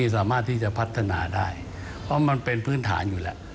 สามารถที่จะพัฒนาได้เพราะมันเป็นพื้นฐานอยู่แล้ว